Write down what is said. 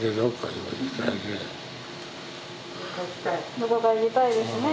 どこか行きたいですねぇ。